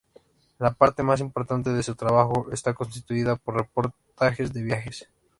La parte más importante de su trabajo está constituida por reportajes de viajes.